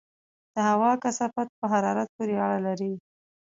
د هوا کثافت په حرارت پورې اړه لري.